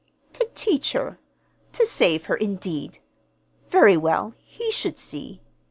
To teach her! To save her, indeed! Very well, he should see!